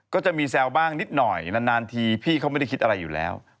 ก็จะมีแซวบ้างนิดหน่อยนานทีพี่เขาไม่ได้คิดอะไรอยู่แล้ว